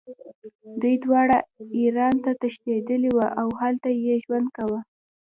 دوی دواړه ایران ته تښتېدلي وو او هلته یې ژوند کاوه.